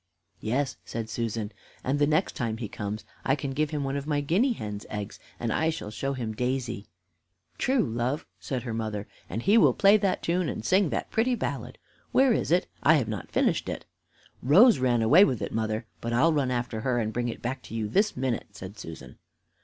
"Yes," said Susan, "and the next time he comes, I can give him one of my guinea hen's eggs, and I shall show him Daisy." "True, love," said her mother, "and he will play that tune and sing that pretty ballad. Where is it? I have not finished it." "Rose ran away with it, mother, but I'll run after her, and bring it back to you this minute," said Susan.